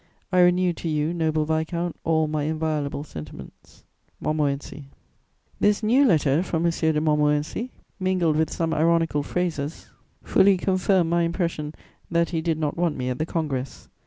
I renew to you, noble viscount, all my inviolable sentiments. "MONTMORENCY." This new letter from M. de Montmorency, mingled with some ironical phrases, fully confirmed my impression that he did not want me at the Congress.